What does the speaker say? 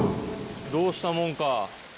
どうしたもんか。